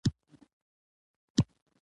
د ارزښت قانون د تولید تنظیمولو دنده لري